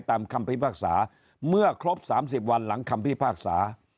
คำพิพากษาเมื่อครบ๓๐วันหลังคำพิพากษา